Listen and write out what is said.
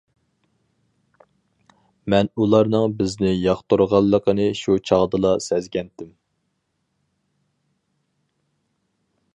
مەن ئۇلارنىڭ بىزنى ياقتۇرغانلىقىنى شۇ چاغدىلا سەزگەنتىم.